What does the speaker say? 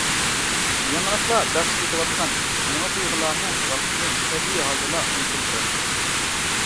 يېڭىلىقلار بەخش ئېتىۋاتقان يېڭى تۇيغۇلارمۇ ۋاقىتنى تەبىئىي ھالدىلا ئۇنتۇلدۇراتتى.